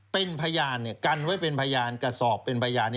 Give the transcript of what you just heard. เป็นพยานกันไว้เป็นพยานกระสอบเป็นพยาน